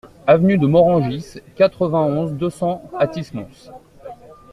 Avenue de Morangis, quatre-vingt-onze, deux cents Athis-Mons